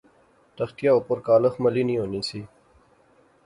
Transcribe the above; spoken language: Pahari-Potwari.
تختیا اُپر کالخ ملی نی ہونی سی